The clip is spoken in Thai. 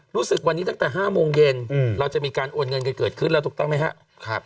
รู้สึกวันนี้ตั้งแต่๕โมงเย็นเราจะมีการโอนเงินกันเกิดขึ้นแล้วถูกต้องไหมครับ